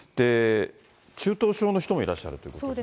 中等症の人もいらっしゃるということですね。